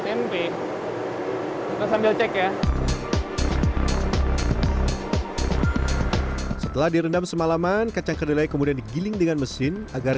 tempe kita sambil cek ya setelah direndam semalaman kacang kedelai kemudian digiling dengan mesin agar